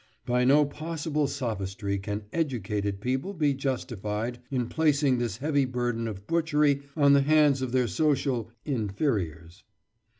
By no possible sophistry can "educated" people be justified in placing this heavy burden of butchery on the hands of their social "inferiors."